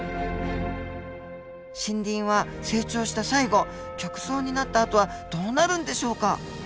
森林は成長した最後極相になったあとはどうなるんでしょうか？